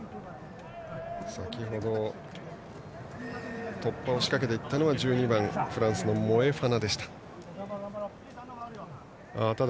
先ほど、突破を仕掛けたのは１２番フランスのモエファナでした。